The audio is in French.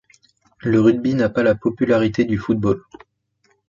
Le rugby n'a pas la popularité du football...